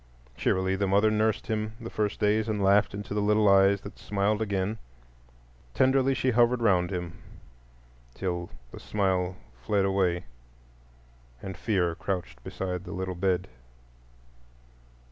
Cheerily the mother nursed him the first days, and laughed into the little eyes that smiled again. Tenderly then she hovered round him, till the smile fled away and Fear crouched beside the little bed.